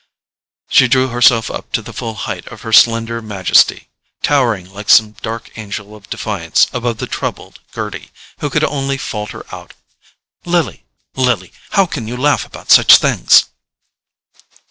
She drew herself up to the full height of her slender majesty, towering like some dark angel of defiance above the troubled Gerty, who could only falter out: "Lily, Lily—how can you laugh about such things?"